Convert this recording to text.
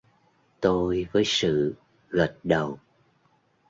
Tôi với Sự gật đầu